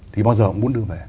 thì bao giờ cũng muốn đưa về